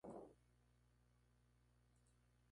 Goiânia: Univ.